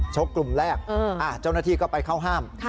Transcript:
กลุ่มแรกเจ้าหน้าที่ก็ไปเข้าห้าม